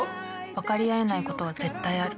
「分かり合えないことは絶対ある」